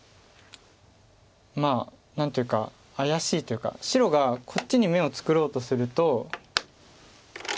まあ何というか怪しいというか白がこっちに眼を作ろうとすると。